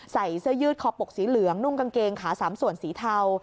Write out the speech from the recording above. ใส่เสื้อยืดคอปกสีเหลืองนุ่งกางเกงขาสามส่วนสีเทา